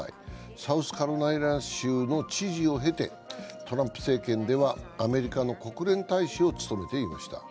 サウスカロライナ州の知事を経てトランプ政権ではアメリカの国連大使を務めていました。